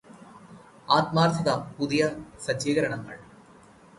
ആത്മാര്ത്ഥത പുതിയ സജ്ജീകരണങ്ങള്